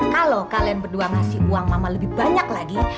kalau kalian berdua ngasih uang mama lebih banyak lagi